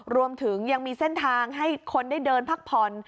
รวมถึงยังมีเส้นทางให้คนได้เดินพักผ่อน